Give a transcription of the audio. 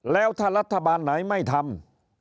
แล้วถ้ารัฐบาลไหนไม่ทำ